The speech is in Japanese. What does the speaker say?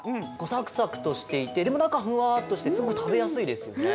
サクサクとしていてでもなかふわっとしてすごくたべやすいですよね。